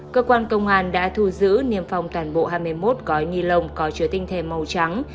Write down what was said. cơ quan công an đã thu giữ niêm phòng toàn bộ hai mươi một gói ni lông có chứa tinh thể màu trắng